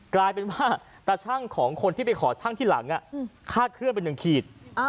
กลายเป็นว่าตาชั่งของคนที่ไปขอช่างที่หลังคาดเคลื่อนไป๑ขีด